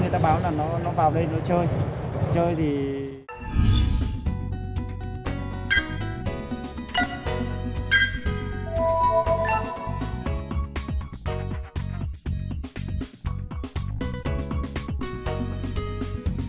theo người dân người ta báo là nó vào đây nó chơi